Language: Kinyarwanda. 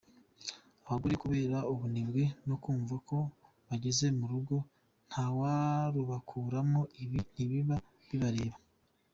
Abagore kubera ubunebwe no kumva ko bageze mu rugo ntawarubakuramo ,ibi ntibiba bibareba.